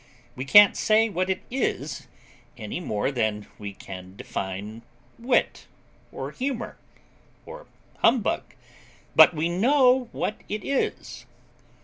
We can't say what it is, any more than we can define wit, or humour, or humbug; but we KNOW what it is.